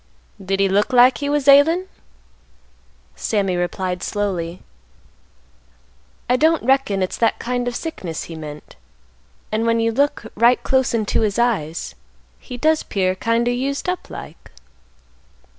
"Did he look like he was ailin'?" Sammy replied slowly, "I don't reckon it's that kind of sickness he meant; and when you look right close into his eyes, he does 'pear kind o' used up like."